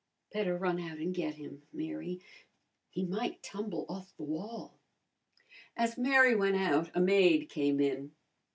"Better run out and get him, Mary. He might tumble off the wall." As Mary went out a maid came in.